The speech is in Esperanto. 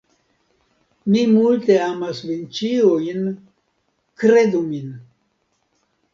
Mi multe amas vin ĉiujn; kredu min.